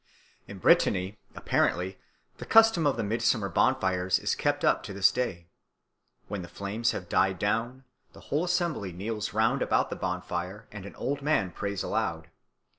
In Brittany, apparently, the custom of the midsummer bonfires is kept up to this day. When the flames have died down, the whole assembly kneels round about the bonfire and an old man prays aloud.